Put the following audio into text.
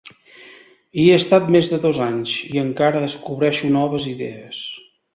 Hi he estat més de dos anys i encara descobreixo noves idees.